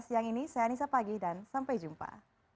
siang ini saya anissa pagi dan sampai jumpa